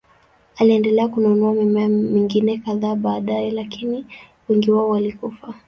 Aliendelea kununua mimea mingine kadhaa baadaye, lakini wengi wao walikufa.